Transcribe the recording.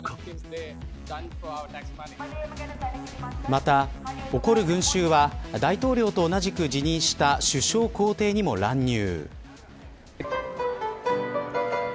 また怒る群衆は大統領と同じく辞任した首相公邸にも乱入。